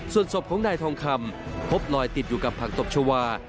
ส่วนศพของนายทองคำพบลอยติดอยู่กับผักตบชาวา